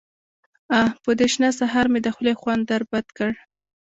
_اه! په دې شنه سهار مې د خولې خوند در بد کړ.